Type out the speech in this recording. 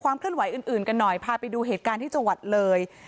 เคลื่อนไหวอื่นกันหน่อยพาไปดูเหตุการณ์ที่จังหวัดเลย